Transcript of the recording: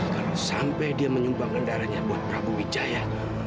kalau sampai dia menyumbang kendaraannya buat prabu wijaya